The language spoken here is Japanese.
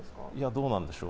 どうなんでしょう。